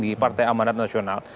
di partai amanat nasional